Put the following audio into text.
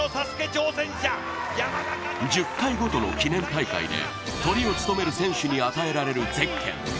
１０回ごとの記念大会でトリを務める選手に与えられるゼッケン。